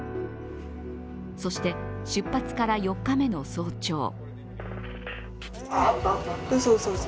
そして、出発から４日目の早朝。